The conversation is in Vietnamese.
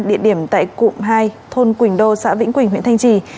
địa điểm tại cụm hai thôn quỳnh đô xã vĩnh quỳnh huyện thanh trì